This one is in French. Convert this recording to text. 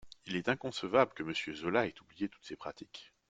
Il est inconcevable que Monsieur Zola ait oublié toutes ces pratiques.